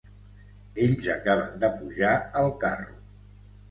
Ells acaben de pujar al carro.